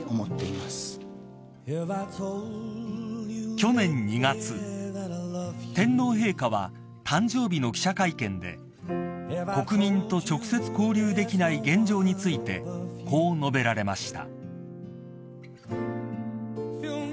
［去年２月天皇陛下は誕生日の記者会見で国民と直接交流できない現状についてこう述べられました］